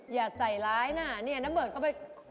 อย่าใส่ร้ายนะนาเบิร์ชก็ไป